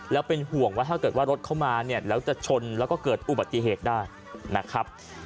แล้วเป็นห่วงว่าถ้าเกิดว่ารถเข้ามาเนี่ยแล้วจะชนแล้วก็เกิดอุบัติเหตุได้นะครับ